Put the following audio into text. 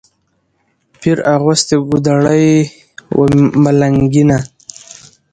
پیر اغوستې ګودړۍ وه ملنګینه